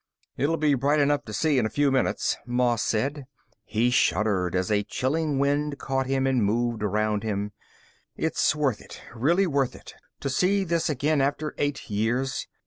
"It'll be bright enough to see in a few minutes," Moss said. He shuddered as a chilling wind caught him and moved around him. "It's worth it, really worth it, to see this again after eight years.